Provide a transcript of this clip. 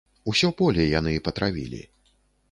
Усё поле яны патравілі.